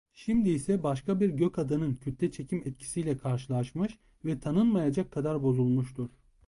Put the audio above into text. Şimdi ise başka bir gökadanın kütleçekim etkisiyle karşılaşmış ve tanınmayacak kadar bozulmuştur.